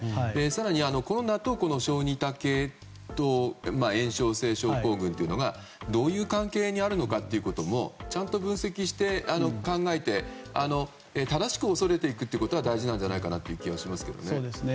更に、コロナと小児多系統炎症性症候群というのがどういう関係にあるのかもちゃんと分析して考えて正しく恐れることが大事なんじゃないかと思います。